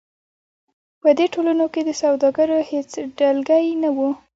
په دې ټولنو کې د سوداګرو هېڅ ډلګۍ نه وه.